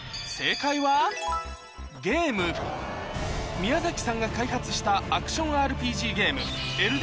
宮崎さんが開発したアクションＲＰＧゲーム